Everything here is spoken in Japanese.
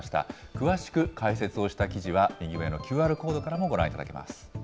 詳しく解説をした記事は、右上のＱＲコードからもご覧いただけます。